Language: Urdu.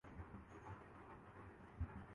۔ یہ پکنک ، سیاحت وغیرہ پرلے جانے کے لئے بہترین ہے۔